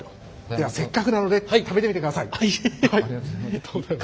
ではせっかくなので食べてみてください！